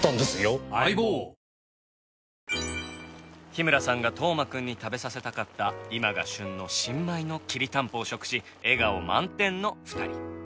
日村さんが斗真君に食べさせたかった今が旬の新米のきりたんぽを食し笑顔満点の２人。